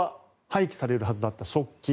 廃棄されるはずだった食器